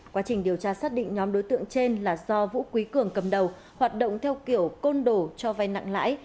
quá trình điều tra xác định nhóm đối tượng trên là do vũ quý cường cầm đầu hoạt động theo kiểu côn đổ cho vai nặng lãi